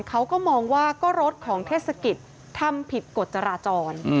เขาก็มองว่าก็รถของเทศกิจทำผิดกฎจราจร